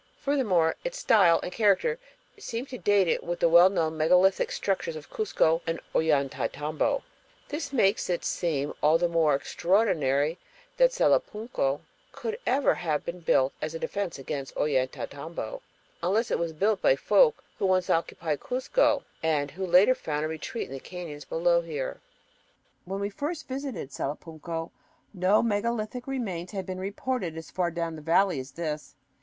Furthermore, its style and character seem to date it with the well known megalithic structures of Cuzco and Ollantaytambo. This makes it seem all the more extraordinary that Salapunco could ever have been built as a defense against Ollantaytambo, unless it was built by folk who once occupied Cuzco and who later found a retreat in the canyons below here. FIGURE Grosvenor Glacier and Mt. Salcantay When we first visited Salapunco no megalithic remains had been reported as far down the valley as this.